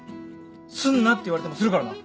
すんなって言われてもするからな。